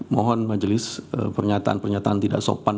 mohon majelis pernyataan pernyataan tidak sopan